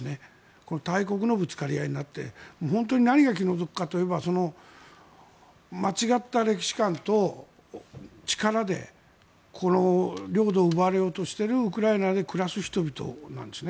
この大国のぶつかり合いになって本当に何が気の毒かといえば間違った歴史観と力でこの領土を奪われようとしているウクライナで暮らす人々なんですね。